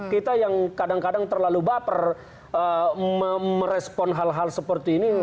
kita yang kadang kadang terlalu baper merespon hal hal seperti ini